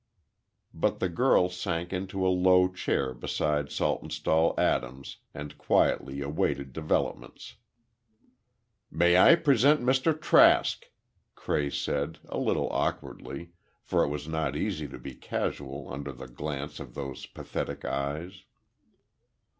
But the girl sank into a low chair beside Saltonstall Adams and quietly awaited developments. "May I present Mr. Trask," Cray said, a little awkwardly, for it was not easy to be casual under the glance of those pathetic eyes.